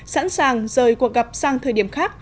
sẵn sàng rời cuộc gặp sang thời điểm khác